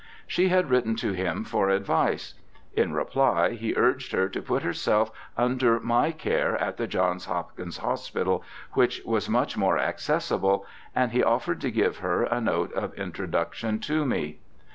She had written to him for advice. In reply he urged her to put herself under my care at the Johns Hopkins Hospital, which was much more accessible, and he offered to give her a note of intro duction to me.